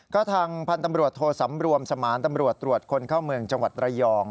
ก็ทางพันธ์ตำรวจโทสำรวมสมานตำรวจตรวจคนเข้าเมืองจังหวัดระยอง